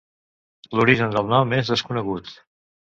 L'origen del nom és desconegut.